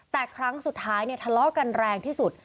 แต่ครั้งสุดท้ายเนี่ยทะเลาะกันแรงที่สุด